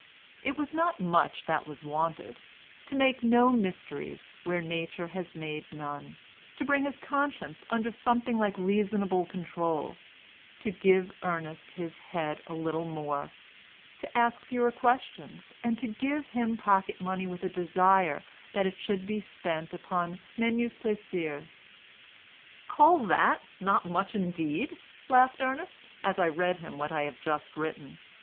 It was not much that was wanted. To make no mysteries where Nature has made none, to bring his conscience under something like reasonable control, to give Ernest his head a little more, to ask fewer questions, and to give him pocket money with a desire that it should be spent upon menus plaisirs ... "Call that not much indeed," laughed Ernest, as I read him what I have just written.